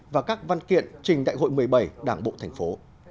và các văn kiện trình đại hội một mươi bảy đảng bộ thành phố